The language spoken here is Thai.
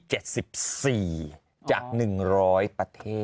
จาก๑๐๐ประเทศ